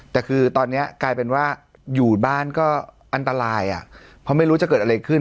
แต่คือตอนนี้กลายเป็นว่าอยู่บ้านก็อันตรายอ่ะเพราะไม่รู้จะเกิดอะไรขึ้น